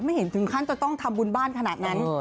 เห็นถึงขั้นจะต้องทำบุญบ้านขนาดนั้น